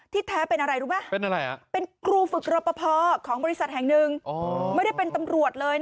ที่แท้เป็นอะไรรู้มั้ยครูฟึกระพันธ์ของบริษัทแห่งนึงไม่ได้เป็นตำรวจเลย